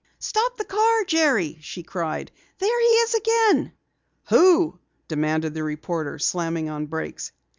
"Stop the car, Jerry!" she cried. "There he is again!" "Who?" demanded the reporter, slamming on brakes.